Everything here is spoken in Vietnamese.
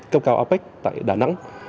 cấp cao apec tại đà nẵng